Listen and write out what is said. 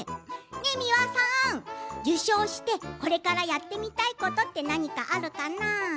美輪さん、受賞してこれからやってみたいことって何かあるかな？